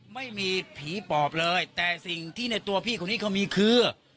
ไม่มีผีปอบเลยแต่สิ่งที่ในตัวพี่คนนี้เขามีคือ